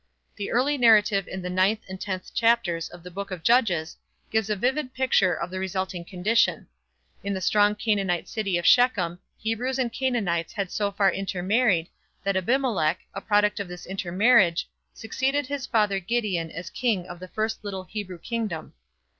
The early narrative in the ninth and tenth chapters of the book of Judges gives a vivid picture of the resulting condition: in the strong Canaanite city of Shechem, Hebrews and Canaanites had so far intermarried that Abimelech, a product of this intermarriage, succeeded his father Gideon as king of the first little Hebrew kingdom.